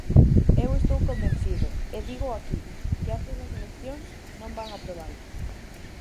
Eu estou convencido, e dígoo aquí, que antes das eleccións non van aprobalo.